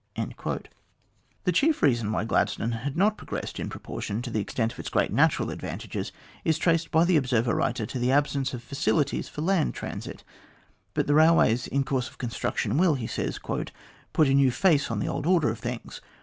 The chief reason why Gladstone had not progressed in proportion to the extent of its great natural advantages, is traced by the Observer writer to the absence of facilities for land transit, but the railways in course of construction will, he says, " put a new face on the old order of things.